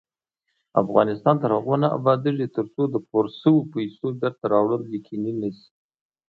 افغانستان تر هغو نه ابادیږي، ترڅو د پورې شوو پیسو بېرته راوړل یقیني نشي.